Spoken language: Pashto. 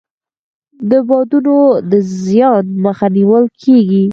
د بادونو د زیان مخه نیول کیږي.